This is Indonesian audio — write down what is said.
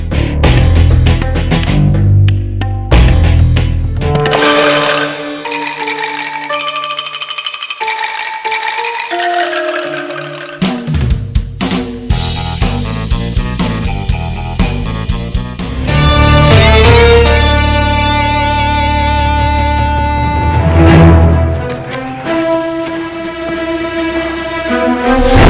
kamu yakin jang